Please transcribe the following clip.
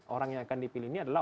orang yang akan dipilih ini adalah